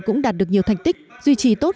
cũng đạt được nhiều thành tích duy trì tốt